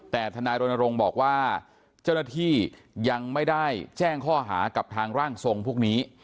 แต่ทนายรณรงค์บอกว่าเจ้าหน้าที่ยังไม่ได้แจ้งข้อหากับทางร่างทรงพวกนี้